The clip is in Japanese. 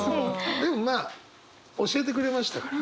でもまあ教えてくれましたから。